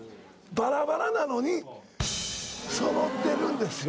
バラバラなのにそろってるんですよ